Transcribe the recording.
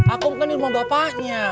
aku bukan di rumah bapaknya